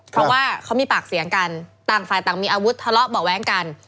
เพราะว่าเขามีปากเสียงกันต่างฝ่ายต่างมีอาวุธทะเลาะเบาะแว้งกัน